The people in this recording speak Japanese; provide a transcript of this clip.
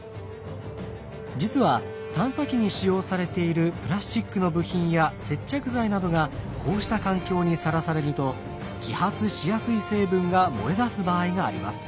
実は探査機に使用されているプラスチックの部品や接着剤などがこうした環境にさらされると揮発しやすい成分が漏れ出す場合があります。